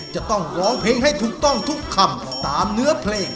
จะต้องร้องเพลงให้ถูกต้องทุกคำตามเนื้อเพลง